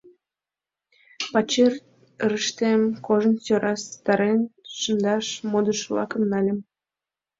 Пачерыштем кожым сӧрастарен шындаш модыш-влакым нальым.